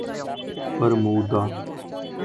Bermuda